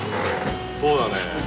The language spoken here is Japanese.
そうだね。